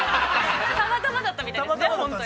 ◆たまたまだったみたいですね。